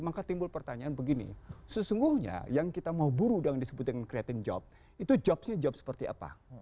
maka timbul pertanyaan begini sesungguhnya yang kita mau buru dengan disebut dengan creating job itu jobnya job seperti apa